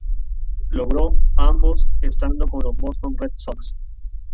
Logró ambos estando con los Boston Red Sox.